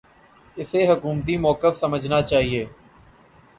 اسے حکومتی موقف سمجھنا چاہیے۔